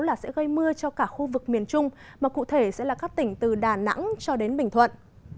là sẽ gây mưa cho cả khu vực miền trung mà cụ thể sẽ là các tỉnh từ đà nẵng cho đến bình thuận